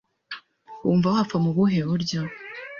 Wumva wapfa mu buhe buryo